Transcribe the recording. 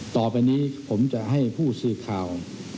ต่อไปนี้ผมจะให้ผู้สื่อข่าว